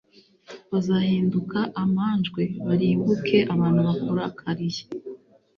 bazahinduka amanjwe, barimbuke, abantu bakurakariye.